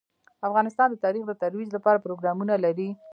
افغانستان د تاریخ د ترویج لپاره پروګرامونه لري.